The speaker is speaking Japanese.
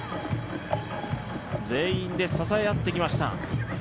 全員で支え合ってきました。